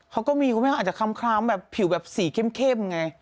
เขาก็มีคุณแม่เขาอาจจะคล้ำแบบผิวแบบสีเข้มไง